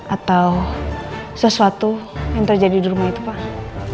atau sesuatu yang terjadi di rumah itu pak